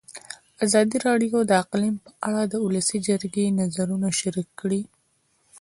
ازادي راډیو د اقلیم په اړه د ولسي جرګې نظرونه شریک کړي.